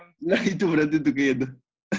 nah itu berarti duitnya tuh